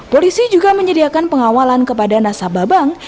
polisi juga menyediakan pengawalan kepada nasabah bank